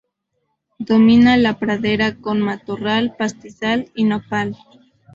Domina la pradera con matorral, pastizal y nopal.